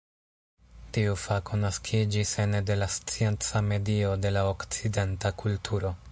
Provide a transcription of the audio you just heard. Tiu fako naskiĝis ene de la scienca medio de la okcidenta kulturo.